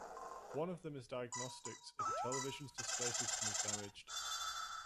One of them is diagnostics if a television's display system is damaged.